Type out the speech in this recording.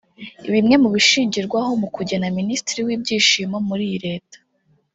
Bimwe mu bishingirwaho mu kugena Minisitiri w’Ibyishimo muri iyi Leta